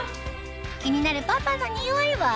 気になるパパのニオイは？